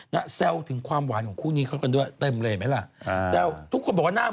แล้วฟืนขึ้นมาใหม่